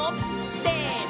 せの！